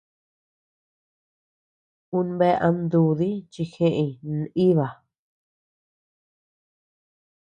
Ú bea ama dudi chi jeʼeñ naíba.